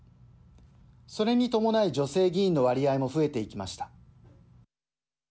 それに伴い女性議員の割合も増えていきました。